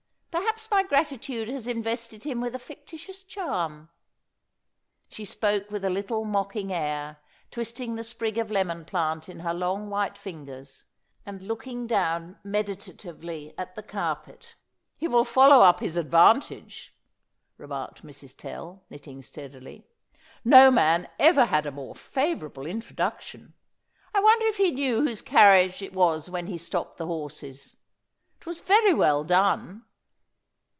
Perhaps my gratitude has invested him with a fictitious charm." She spoke with a little mocking air, twisting the sprig of lemon plant in her long white fingers, and looking down meditatively at the carpet. "He will follow up his advantage," remarked Mrs. Tell, knitting steadily. "No man ever had a more favourable introduction. I wonder if he knew whose carriage it was when he stopped the horses? It was very well done.